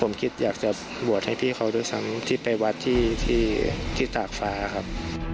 ผมคิดอยากจะบวชให้พี่เขาด้วยซ้ำที่ไปวัดที่ตากฟ้าครับ